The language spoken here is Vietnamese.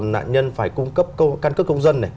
nạn nhân phải cung cấp căn cước công dân này